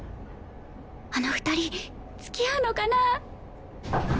あの２人付き合うのかなあ？